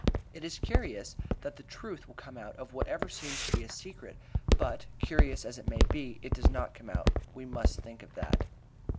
It is curious that the truth will come out of whatever seems to be a secret, but curious as it may be, it does come out. We must think of that.